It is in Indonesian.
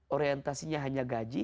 orientasinya hanya gaji